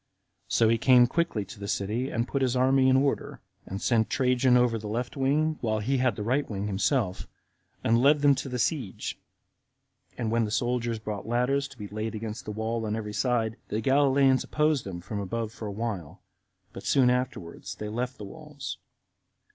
So he came quickly to the city, and put his army in order, and set Trajan over the left wing, while he had the right himself, and led them to the siege: and when the soldiers brought ladders to be laid against the wall on every side, the Galileans opposed them from above for a while; but soon afterward they left the walls.